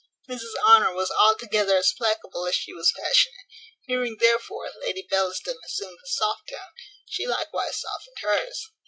Mrs Honour was altogether as placable as she was passionate. Hearing, therefore, Lady Bellaston assume the soft tone, she likewise softened hers.